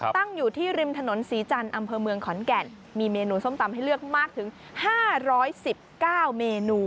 ตั้งอยู่ที่ริมถนนศรีจันทร์อำเภอเมืองขอนแก่นมีเมนูส้มตำให้เลือกมากถึง๕๑๙เมนู